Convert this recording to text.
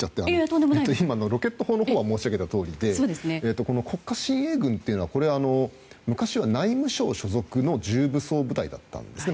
ロケット砲のほうは申し上げたとおりで国家親衛軍というのはこれは昔は内務省所属の重武装部隊だったんですね。